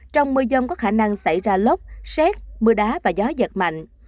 trong mưa dông có khả năng xảy ra lốc xét mưa đá và gió giật mạnh